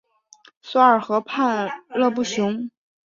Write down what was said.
索尔河畔勒布雄。